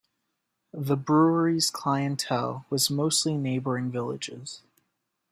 The brewery's clientele was mostly neighbouring villages.